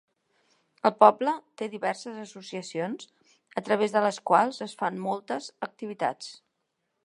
El poble té diverses associacions, a través de les quals es fan moltes activitats.